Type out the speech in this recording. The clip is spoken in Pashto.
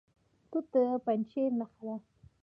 توت د پنجشیر نښه ده.